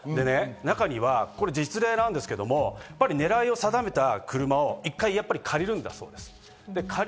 実例なんですけど、狙いを定めた車を１回借りるんだそうです。